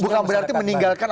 jadi bukan berarti meninggalkan